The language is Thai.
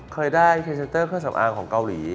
เคยได้พรีเซนเตอร์เครื่องสำอางของเกาหลี